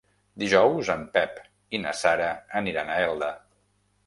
Dijous en Pep i na Sara aniran a Elda.